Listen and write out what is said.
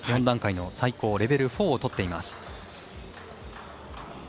４段階の最高レベル４をとっています。